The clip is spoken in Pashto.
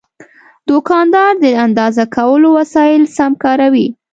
دوکاندار د اندازه کولو وسایل سم کاروي.